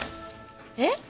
えっ！？